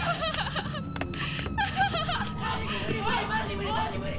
無理無理！